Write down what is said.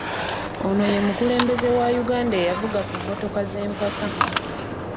Ono ye mukulembeze wa Uganda eyavuga ku mmotoka z’empaka.